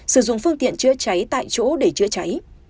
sử dụng phương tiện chữa cháy tại chỗ để chữa cháy